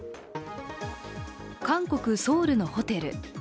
韓国・ソウルのホテル。